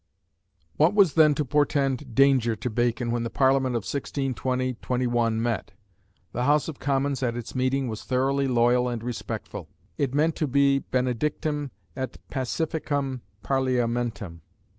What was then to portend danger to Bacon when the Parliament of 1620/21 met? The House of Commons at its meeting was thoroughly loyal and respectful; it meant to be benedictum et pacificum parliamentum.